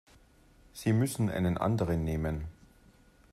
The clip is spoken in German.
Sie müssen einen anderen nehmen.